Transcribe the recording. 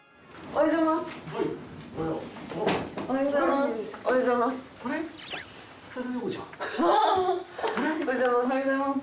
おはようございます。